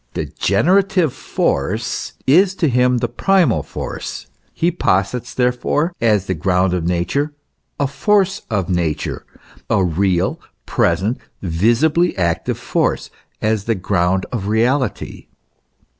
The generative force is to him the primal force : he posits, therefore, as the ground of Nature, a force of Nature, a real, present, visibly active force, as the ground of reality.